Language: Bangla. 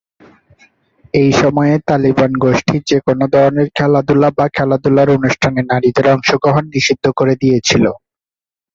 এই সময়ে, তালিবান গোষ্ঠী যেকোন ধরনের খেলাধুলা বা খেলাধুলার অনুষ্ঠানে নারীদের অংশগ্রহণ নিষিদ্ধ করে দিয়েছিল।